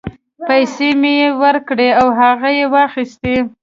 پیسې مې یې ورکړې او هغه یې واخیستې.